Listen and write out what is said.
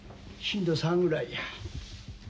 震度３ぐらいや。